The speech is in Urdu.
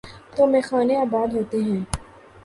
تو میخانے آباد ہوتے ہیں۔